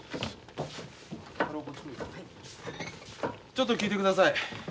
ちょっと聞いてください。